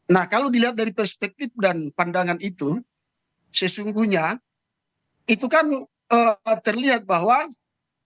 nah kalau dilihat dari perspektif dan pandangan itu sesungguhnya itu kan terlihat bahwa